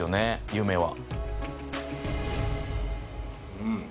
夢は。